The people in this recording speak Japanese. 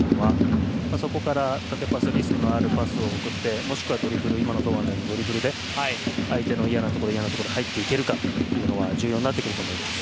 そこから縦パスリスクのあるパスを送ってもしくは今の堂安のようにドリブルで相手の嫌なところに入っていけるかが重要になってくると思います。